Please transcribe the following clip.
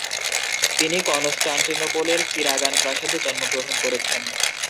তিনি কনস্টান্টিনোপলের চিরাগান প্রাসাদে জন্মগ্রহণ করেছেন।